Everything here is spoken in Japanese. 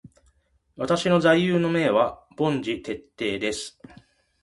私の座右の銘は凡事徹底です。